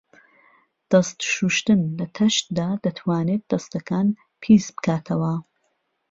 دەست شوشتن لە تەشتدا دەتوانێت دەستەکان پیسبکاتەوە.